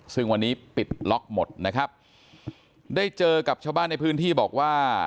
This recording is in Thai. ซึ่งวันนี้ปิดล็อกหมดนะครับได้เจอกับชาวบ้านในพื้นที่บอกว่า